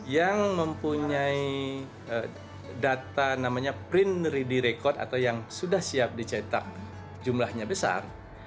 yang mempunyai data namanya print ready record atau yang sudah siap dicetak jumlahnya besar